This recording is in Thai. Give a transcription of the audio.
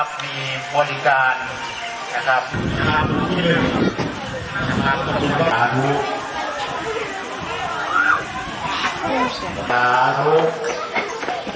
เชียวเชียวจรี่